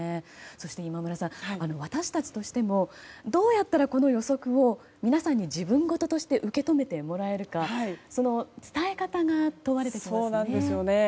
そして今村さん、私たちとしてもどうやったらこの予測を皆さんに自分事として受け止めてもらえるかその伝え方が問われてきますね。